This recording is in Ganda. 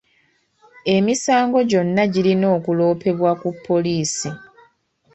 Emisango gyonna girina okuloopebwa ku poliisi.